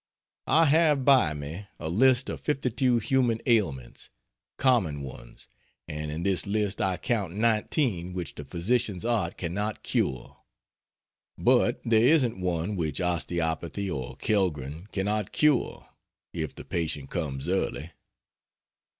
I have by me a list of 52 human ailments common ones and in this list I count 19 which the physician's art cannot cure. But there isn't one which Osteopathy or Kellgren cannot cure, if the patient comes early.